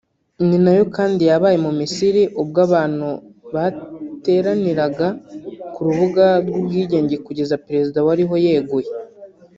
ni nayo kandi yabaye mu Misiri ubwo abantu bateraniraga ku rubuga rw’ubwigenge kugeza Perezida wariho yeguye